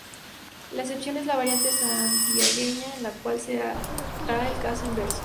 La excepción es la variante santiagueña, en la cual se da el caso inverso.